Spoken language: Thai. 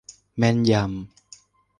แม่นยำ